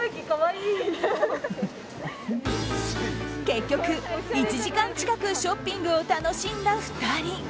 結局、１時間近くショッピングを楽しんだ２人。